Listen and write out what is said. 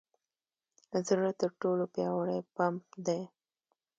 زړه تر ټولو پیاوړې پمپ دی.